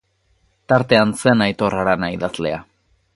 Tartean zen Aitor Arana idazlea.